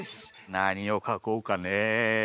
なにをかこうかね。